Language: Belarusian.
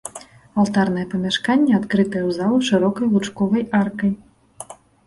Алтарнае памяшканне адкрытае ў залу шырокай лучковай аркай.